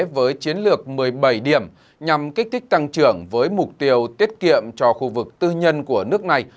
với chiến lược một mươi bảy điểm nhằm kích thích tăng trưởng với mục tiêu tiết kiệm cho khu vực tư nhân của nước này